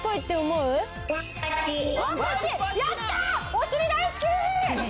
お尻大好き！